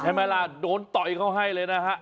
ใช่ไหมล่ะโดนต่อยเขาให้เลยนะฮะ